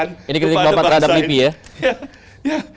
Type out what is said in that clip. ini kritik bapak terhadap lipi ya